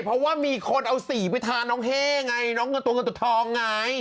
เพราะว่ามีคนเอาสีไปทาน้องเฮ่ไงน้องเงินตัวเงินตัวทองไง